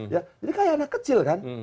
jadi kayak anak kecil kan